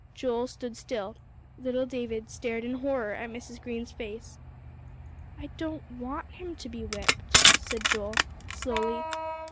Joel stood still. Little David stared in horror in Mrs. Green's face. "I don't want him to be whipped," said Joel, slowly.